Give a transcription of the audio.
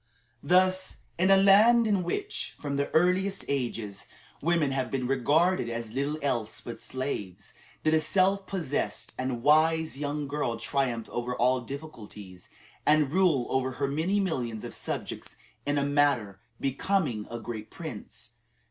Thus, in a land in which, from the earliest ages, women have been regarded as little else but slaves, did a self possessed and wise young girl triumph over all difficulties, and rule over her many millions of subjects "in a manner becoming a great prince."